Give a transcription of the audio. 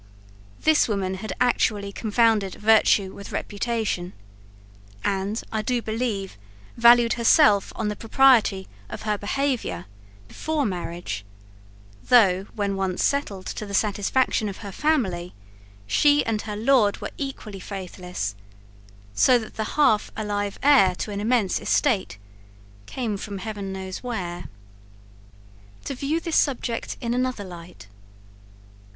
This woman had actually confounded virtue with reputation; and, I do believe, valued herself on the propriety of her behaviour before marriage, though when once settled, to the satisfaction of her family, she and her lord were equally faithless so that the half alive heir to an immense estate came from heaven knows where! To view this subject in another light.